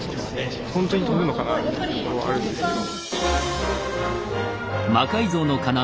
ホントに跳ぶのかなっていうところはあるんですけど。